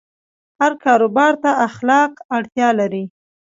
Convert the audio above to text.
هر کاروبار ته اخلاق اړتیا لري.